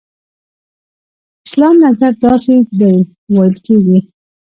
اسلام نظر داسې دی ویل کېږي.